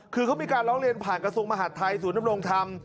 คือเขามีการร้องเรียนผ่านกระทรวงมหาดไทยศูนย์ดำรงธรรม